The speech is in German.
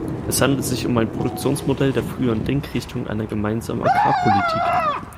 Es handelt sich um ein Produktionsmodell der früheren Denkrichtung einer Gemeinsamen Agrarpolitik.